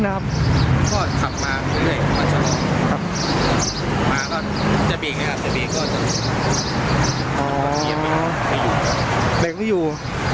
อ๋อมันตำรอยอยู่